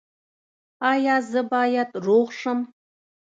ایا زه باید روغ شم؟